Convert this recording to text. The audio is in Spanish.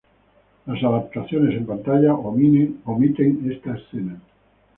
Las adaptaciones en pantalla omiten esta escena.